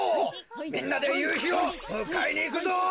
みんなでゆうひをむかえにいくぞ。